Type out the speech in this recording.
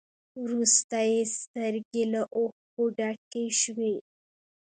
وروسته يې سترګې له اوښکو ډکې شوې.